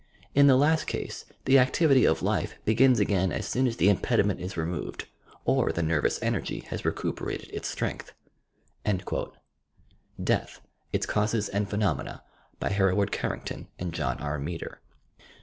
In Ibe last case the activity of life begins again as soon as the impediment is removed or the nervous energy has recuperated its strength." ("Death: its Causes and Phenomena, " by Hereward Carrington and John R. Meader.)